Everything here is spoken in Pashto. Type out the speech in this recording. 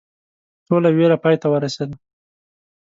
ټوله ویره پای ته ورسېده.